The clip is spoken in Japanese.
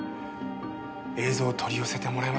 映像を取り寄せてもらえませんか？